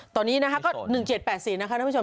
ตอนนี้นะครับ๑๗๘๔